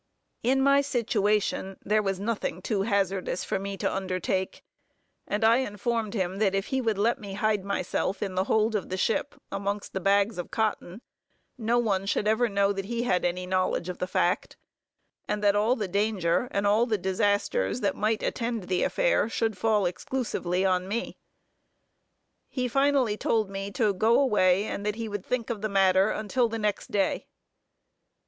In my situation there was nothing too hazardous for me to undertake, and I informed him that if he would let me hide myself in the hold of the ship, amongst the bags of cotton, no one should ever know that he had any knowledge of the fact; and that all the danger, and all the disasters that might attend the affair, should fall exclusively on me. He finally told me to go away, and that he would think of the matter until the next day.